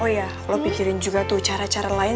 oh iya lo pikirin juga tuh cara cara lain